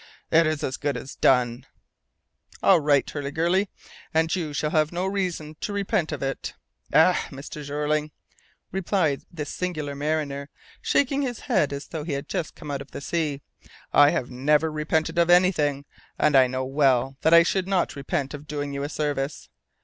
"It's as good as done." "All right, Hurliguerly, and you shall have no reason to repent of it." "Eh! Mr. Jeorling," replied this singular mariner, shaking his head as though he had just come out of the sea, "I have never repented of anything, and I know well that I shall not repent of doing you a service.